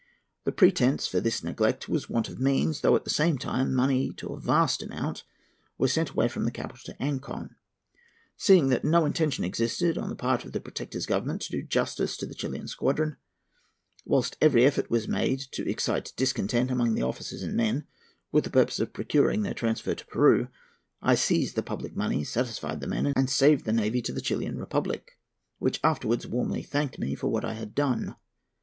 The pretence for this neglect was want of means, though, at the same time, money to a vast amount was sent away from the capital to Ancon. Seeing that no intention existed on the part of the Protector's Government to do justice to the Chilian squadron, whilst every effort was made to excite discontent among the officers and men with the purpose of procuring their transfer to Peru, I seized the public money, satisfied the men, and saved the navy to the Chilian Republic, which afterwards warmly thanked me for what I had done.